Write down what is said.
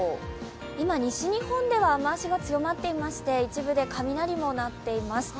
今、西日本では雨足が強まっていまして一部で雷も鳴っています。